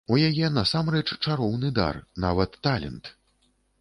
У яе насамрэч чароўны дар, нават талент.